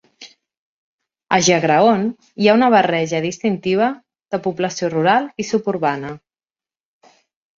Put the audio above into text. A Jagraon hi ha una barreja distintiva de població rural i suburbana.